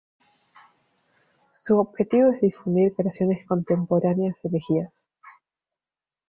Su objetivo es de difundir creaciones contemporáneas elegidas.